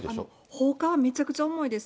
放火はめちゃくちゃ重いです。